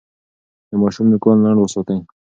د ماشوم نوکان لنډ وساتئ.